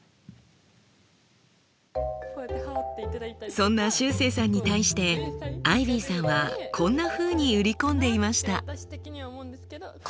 そんなしゅうせいさんに対してアイビーさんはこんなふうに売り込んでいました。